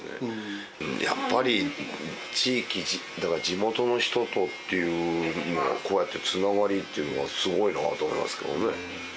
やっぱり地域だから地元の人とっていうこうやってつながりっていうのはすごいなと思いますけどもね。